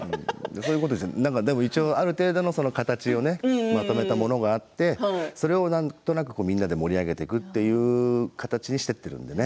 そういうことで一応ある程度の形をまとめたものがあってそれを、なんとなくみんなで盛り上げていくという形にしていっているのでね。